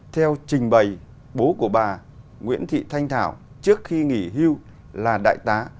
theo trình bày bố của bà nguyễn thị thanh thảo trước khi nghỉ hưu là đại tá